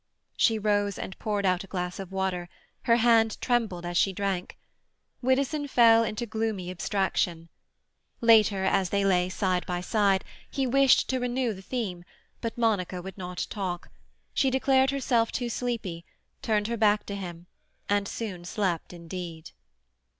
She rose and poured out a glass of water. Her hand trembled as she drank. Widdowson fell into gloomy abstraction. Later, as they lay side by side, he wished to renew the theme, but Monica would not talk; she declared herself too sleepy, turned her back to him, and soon slept indeed.